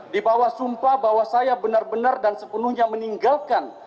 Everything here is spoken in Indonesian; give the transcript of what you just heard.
dibawah sumpah bahwa saya benar benar dan sepenuhnya meninggalkan